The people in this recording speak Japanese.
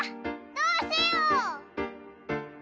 どうしよう」。